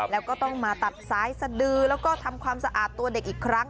แล้วก็ต้องมาตัดซ้ายสะดือแล้วก็ทำความสะอาดตัวเด็กอีกครั้ง